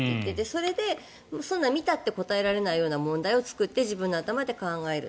それで、そんなのを見たって答えられないような問題を作って自分の頭で考える。